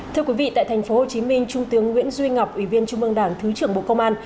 thưa quý vị tại tp hcm trung tướng nguyễn duy ngọc ủy viên trung mương đảng thứ trưởng bộ công an